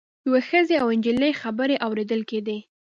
یوې ښځې او نجلۍ خبرې اوریدل کیدې.